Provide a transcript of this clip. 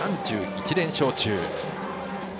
３１連勝中。